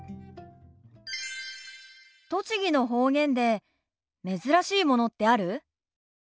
栃木の方言で珍しいものってある？